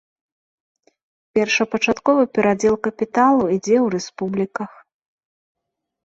Першапачатковы перадзел капіталу ідзе ў рэспубліках.